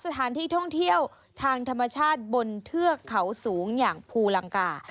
สถานที่ท่องเที่ยวทางธรรมชาติบนเทือกเขาสูงอย่างภูลังกา